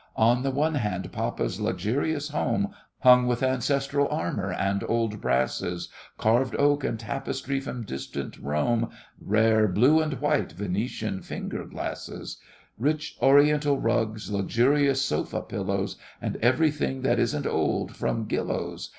On the one hand, papa's luxurious home, Hung with ancestral armour and old brasses, Carved oak and tapestry from distant Rome, Rare "blue and white" Venetian finger glasses, Rich oriental rugs, luxurious sofa pillows, And everything that isn't old, from Gillow's.